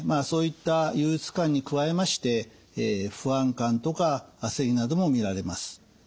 そういった憂うつ感に加えまして不安感とかあせりなども見られます。